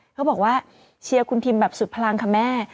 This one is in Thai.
เขาบอกว่าเชียร์คุณทิมแบบสุดพลังค่ะแม่